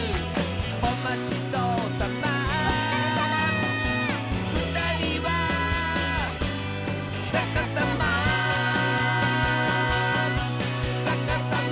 「おまちどおさま」「おつかれさま」「ふたりはさかさま」「さかさま」